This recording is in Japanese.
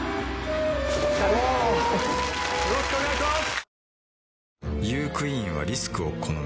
よろしくお願いします！